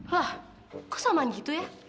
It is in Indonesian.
wah kok sama gitu ya